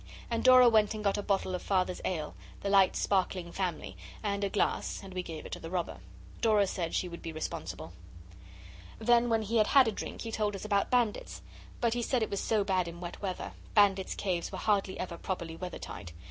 And Dora went and got a bottle of Father's ale the Light Sparkling Family and a glass, and we gave it to the robber. Dora said she would be responsible. Then when he had had a drink he told us about bandits, but he said it was so bad in wet weather. Bandits' caves were hardly ever properly weathertight.